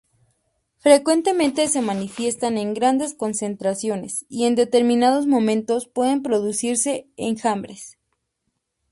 Frecuentemente se manifiestan en grandes concentraciones y en determinados momentos pueden producirse enjambres.